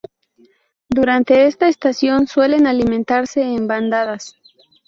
Durante esta estación suelen alimentarse en bandadas.